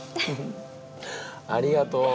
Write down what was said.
ありがとう！